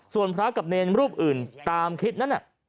ส่วนพระกับเนรรูปอื่นตามคลิปนั้น